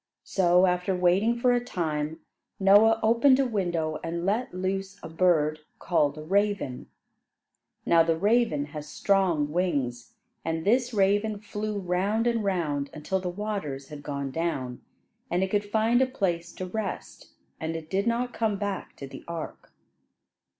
So, after waiting for a time, Noah opened a window, and let loose a bird called a raven. Now the raven has strong wings; and this raven flew round and round until the waters had gone down, and it could find a place to rest, and it did not come back to the ark.